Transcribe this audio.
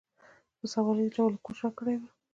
په سوله ایز ډول یې کوچ راکړی وي.